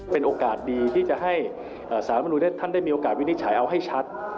เป็นโอกาสดีที่จะให้สารมนุนท่านได้มีโอกาสวินิจฉัยเอาให้ชัด